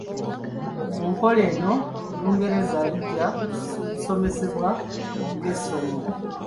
Mu nkola eno, Olungereza lujja kusomesebwa ng’essomo.